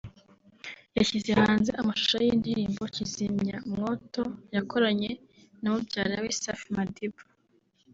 yashyize hanze amashusho y’indirimbo ‘Kizimyamwoto’ yakoranye na mubyara we Safi Madiba